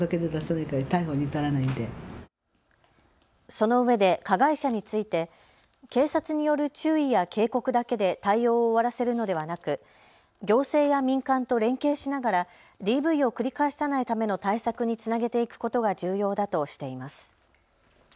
そのうえで加害者について警察による注意や警告だけで対応を終わらせるのではなく行政や民間と連携しながらＤＶを繰り返さないための対策につなげていくことが重要だとしています。